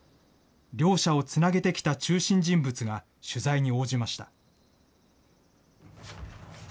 両者をつなげてきた中心人物が取材に応じました。